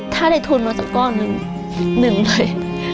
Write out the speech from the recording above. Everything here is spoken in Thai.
ถ้าได้ทุนมาสักก้อนหนึ่งเลย